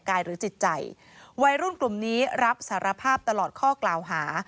หรือจิตใจวัยรุ่นกลุ่มนี้รับสารภาพตลอดข้อกล่าวหา